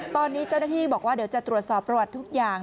ตอนนี้เจ้าหน้าที่บอกว่าเดี๋ยวจะตรวจสอบประวัติทุกอย่าง